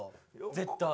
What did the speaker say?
絶対。